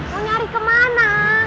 mau nyari kemana